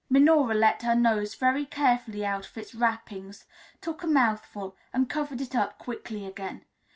Minora let her nose very carefully out of its wrappings, took a mouthful, and covered it up quickly again.